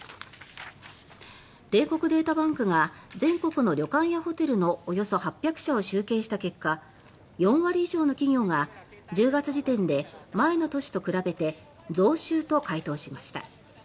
帝国データバンクが全国の旅館やホテルのおよそ８００社を集計した結果４割以上の企業が１０月時点で前の年と比べて増収と回答しました。